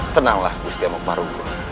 tenanglah gusti amukmarugul